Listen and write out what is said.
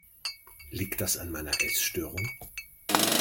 Liegt das an meiner Essstörung?